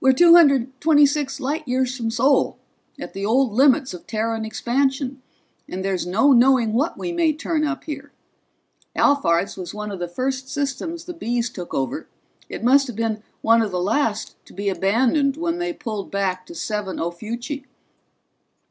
"We're two hundred twenty six light years from Sol, at the old limits of Terran expansion, and there's no knowing what we may turn up here. Alphard's was one of the first systems the Bees took over. It must have been one of the last to be abandoned when they pulled back to 70 Ophiuchi."